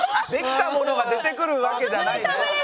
できたものが出てくるわけじゃないのね。